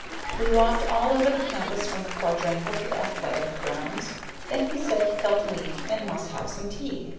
We walked all over the campus from the quadrangle to the athletic grounds; then he said he felt weak and must have some tea.